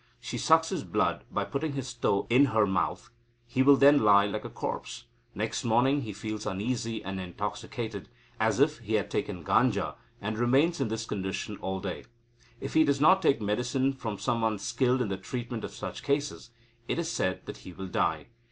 She sucks his blood by putting his toe in her mouth. He will then lie like a corpse. Next morning he feels uneasy and intoxicated, as if he had taken ganja, and remains in this condition all day. If he does not take medicine from some one skilled in the treatment of such cases, it is said that he will die.